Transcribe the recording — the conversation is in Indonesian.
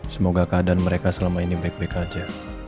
semoga keadaan mereka selama ini baik baik saja